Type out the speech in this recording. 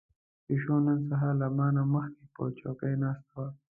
پيشو نن سهار له ما نه مخکې په چوکۍ ناسته وه.